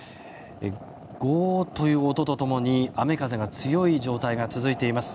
ゴーという音と共に雨風が強い状態が続いています。